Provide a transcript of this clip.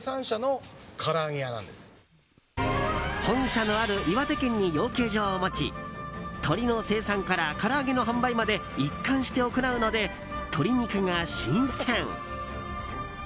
本社のある岩手県に養鶏場を持ち鶏の生産からから揚げの販売まで一貫して行うので鶏肉が新鮮！